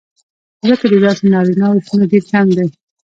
ځکه د داسې نارینهوو شمېر ډېر کم دی